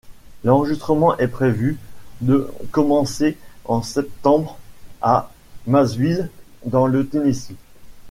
L'enregistrement est prévu de commencer en septembre à Nashville, dans le Tennessee.